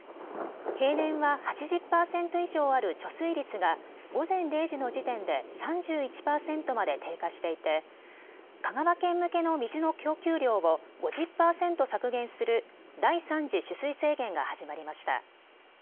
平年は８０％以上ある貯水率が午前０時の時点で３１％まで低下していて香川県向けの水の供給量を５０％削減する第三次取水制限が始まりました。